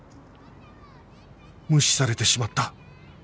無視されてしまった